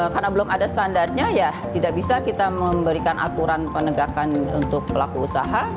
karena belum ada standarnya tidak bisa kita memberikan aturan penegakan untuk pelaku usaha